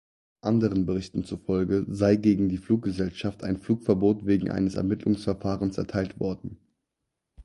Anderen Berichten zufolge sei gegen die Fluggesellschaft ein Flugverbot wegen eines Ermittlungsverfahrens erteilt worden.